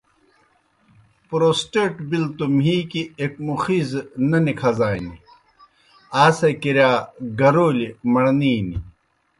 پروسٹیٹ بِلوْ توْ مِھیکی ایْک مُخیزہ نہ نِکھزانیْ، آ سے کِرِیا گَرَولِیْ مڑنے نیْ۔